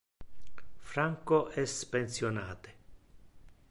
Franco es pensionate.